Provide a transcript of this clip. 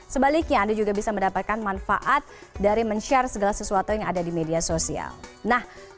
smart aristok flirting kadet kurasa asian